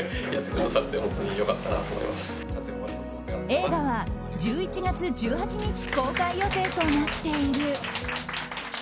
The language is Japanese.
映画は１１月１８日公開予定となっている。